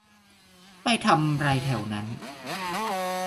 ไปทำไรแถวนั้น